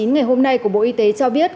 ngày hôm nay của bộ y tế cho biết